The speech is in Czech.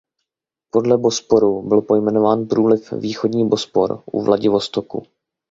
Podle Bosporu byl pojmenován průliv Východní Bospor u Vladivostoku.